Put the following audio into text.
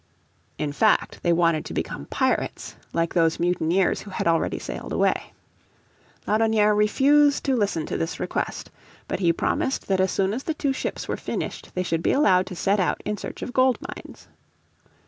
In fact they wanted to become pirates like those mutineers who had already sailed away. Laudonnière refused to listen to this request. But he promised that as soon as the two ships were finished they should be allowed to set out in search of gold mines.